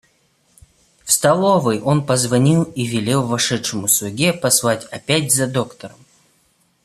В столовой он позвонил и велел вошедшему слуге послать опять за доктором.